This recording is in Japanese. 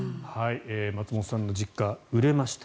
松本さんの実家売れました。